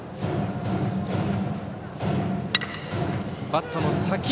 バットの先。